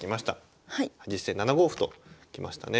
実戦７五歩ときましたね。